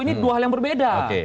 ini dua hal yang berbeda